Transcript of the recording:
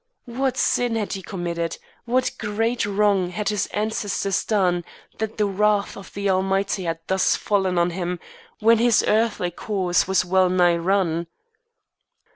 What sin had he committed? What great wrong had his ancestors done, that the wrath of the Almighty had thus fallen on him, when his earthly course was well nigh run?